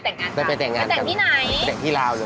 หลังจากตังงานกันเสร็จป๊าบ